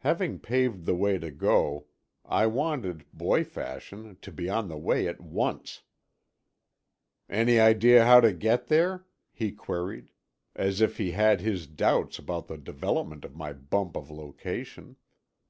Having paved the way to go, I wanted, boy fashion, to be on the way at once. "Any idea how to get there?" he queried; as if he had his doubts about the development of my bump of location.